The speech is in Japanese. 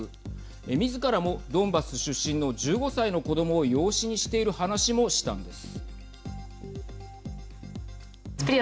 みずからもドンバス出身の１５歳の子どもを養子にしている話もしたんです。